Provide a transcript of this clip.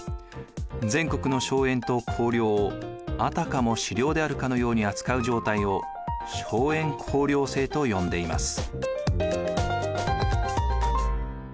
全国の荘園と公領をあたかも私領であるかのように扱う状態を荘園公領制と呼んでいます。